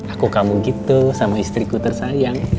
aku kamu gitu sama istriku tersayang